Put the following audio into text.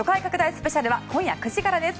スペシャルは今夜９時からです。